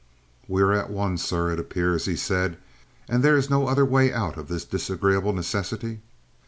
"We are at one, sir, it appears," he said. "And there is no other way out of this disagreeable necessity?"